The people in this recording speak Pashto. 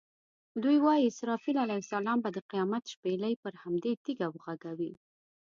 دوی وایي اسرافیل علیه السلام به د قیامت شپېلۍ پر همدې تیږه وغږوي.